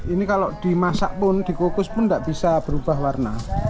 ini kalau dimasak pun dikukus pun tidak bisa berubah warna